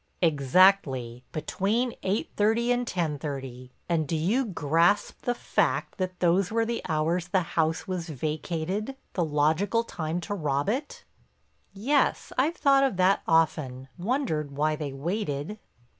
"Exactly—between eight thirty and ten thirty. And do you grasp the fact that those were the hours the house was vacated—the logical time to rob it?" "Yes, I've thought of that often—wondered why they waited."